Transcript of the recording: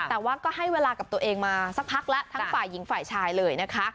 แต่ว่าก็ให้เวลากับตัวเองมาสักพักแล้วทั้งฝ่ายหญิงฝ่ายชายเลยนะคะ